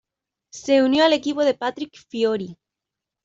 Se unió al equipo de Patrick Fiori.